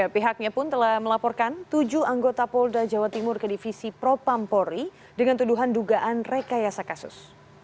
pihaknya pun telah melaporkan tujuh anggota polda jawa timur ke divisi propampori dengan tuduhan dugaan rekayasa kasus